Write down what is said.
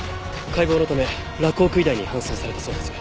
解剖のため洛北医大に搬送されたそうです。